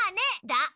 だ。